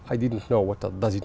tôi đã đọc trong bức tượng về tết